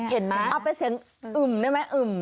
เห็นไหมเอาเป็นเสียงอึมได้ไหมอึ่ม